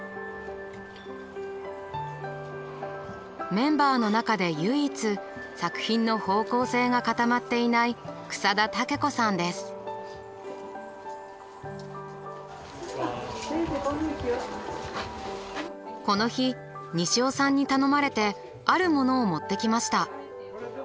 メンバーの中で唯一作品の方向性が固まっていないこの日西尾さんに頼まれてあるものを持ってきました。